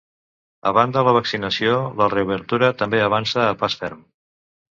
A banda la vaccinació, la reobertura també avança a pas ferm.